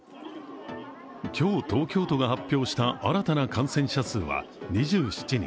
今日、東京都が発表した新たな感染者数は２７人。